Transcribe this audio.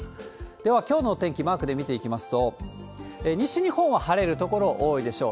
ではきょうのお天気、マークで見ていきますと、西日本は晴れる所多いでしょう。